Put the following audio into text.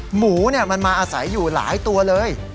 หมูมันมาอาศัยอยู่หลายตัวเลย